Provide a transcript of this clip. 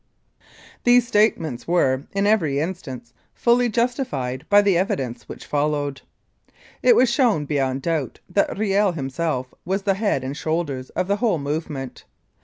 ..." These statements were, in every instance, fully justified by the evidence which followed. It was shown beyond doubt that Kiel himself was the head and shoulders of the whole movement.